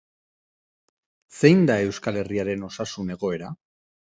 Zein da Euskal Herriaren osasun egoera?